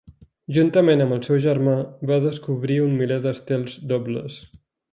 Juntament amb el seu germà, va descobrir un miler d'estels dobles.